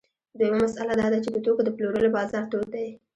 دویمه مسئله دا ده چې د توکو د پلورلو بازار تود دی